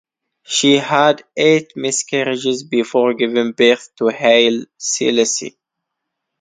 She had eight miscarriages before giving birth to Haile Selassie.